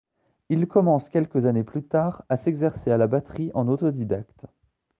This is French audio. Il commence quelques années plus tard à s'exercer à la batterie en autodidacte.